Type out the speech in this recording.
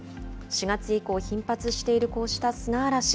４月以降、頻発しているこうした砂嵐。